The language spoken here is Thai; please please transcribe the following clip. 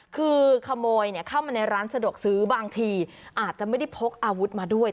คือขโมยเข้ามาในร้านสะดวกซื้อบางทีอาจจะไม่ได้พกอาวุธมาด้วย